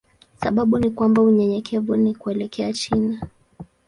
Sababu ni kwamba unyenyekevu ni kuelekea chini.